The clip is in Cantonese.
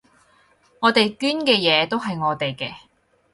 我哋捐嘅嘢都係我哋嘅